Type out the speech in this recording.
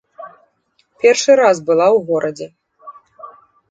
Першы раз была ў горадзе.